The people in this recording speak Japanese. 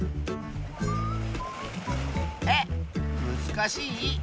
えっむずかしい？